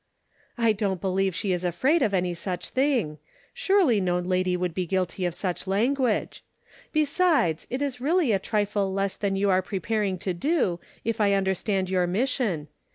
"I don't believe she is afraid of any such thing. Surely no lady would be guilty of such language. Besides it is really a trifle less than you are preparing to do, if I understand your mission.